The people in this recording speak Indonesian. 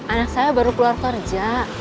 anak saya baru keluar kerja